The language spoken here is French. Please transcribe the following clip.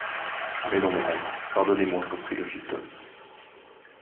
Mais non, Madame, pardonnez-moi, reprit le vieux Tom.